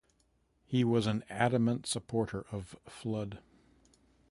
He was an adamant supporter of Flood.